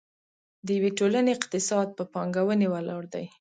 د یوې ټولنې اقتصاد په پانګونې ولاړ دی.